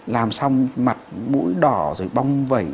làm xong mặt mũi đỏ rồi bong vẩy